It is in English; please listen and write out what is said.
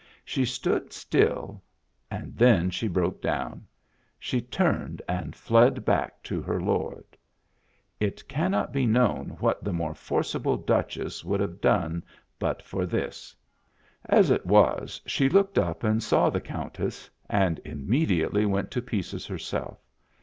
She stood still and then she broke down. She turned and fled back to her lord. It cannot be known what the more forcible Duchess would have done but for this. As it was, she looked up and saw the Countess — and immediately went to pieces herself.